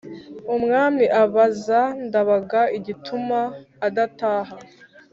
Umwami abaza ndabaga igituma adataha